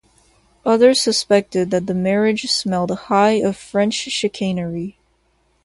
Others suspected that the marriage smelled high of French chicanery.